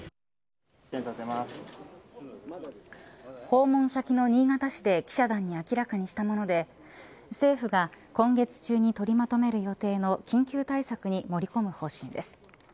訪問先の新潟市で記者団に明らかにしたもので政府が今月中に取りまとめる予定の緊急対策に盛り込む方針です。